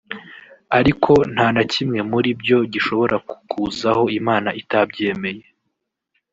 ariko nta na kimwe muri byo gishobora kukuzaho Imana itabyemeye